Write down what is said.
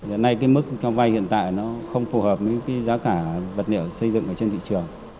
giờ này cái mức cho vây hiện tại nó không phù hợp với cái giá cả vật liệu xây dựng ở trên thị trường